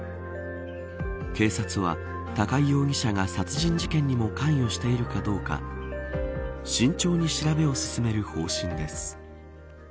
警察は高井容疑者が殺人事件にも関与しているかどうか慎重に調べを進める方針です。